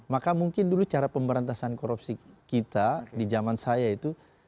maka mungkin dulu cara pemberantasan korupsi kita di zaman saya itu